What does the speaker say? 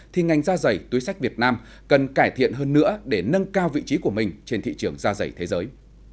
thì ngành da giày túi sách việt nam cần cải thiện hơn nữa để nâng cao vị trí của mình trên thị trường da giày thế giới